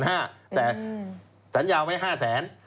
แต่สัญญาไว้๕แสน